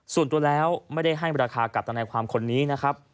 ส่วนตัวแล้วไม่ได้ให้ราคากับทนายความคนนี้นะครับ